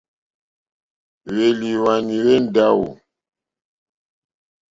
Hwélìhwwànì hwé ndáwò.